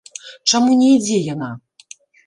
Чаму не ідзе яна?